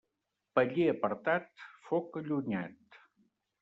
Paller apartat, foc allunyat.